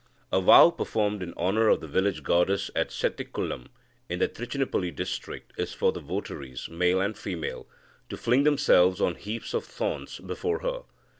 A vow performed in honour of the village goddess at Settikulam in the Trichinopoly district is for the votaries, male and female, to fling themselves on heaps of thorns before her.